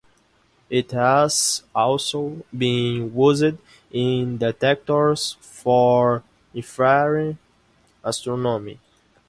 It has also been used in detectors for infrared astronomy.